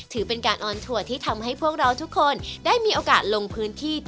ถือเป็นการออนทัวร์ที่ทำให้พวกเราทุกคนได้มีโอกาสลงพื้นที่